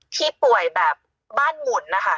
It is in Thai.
ที่ป่วยแบบบ้านหมุนนะคะ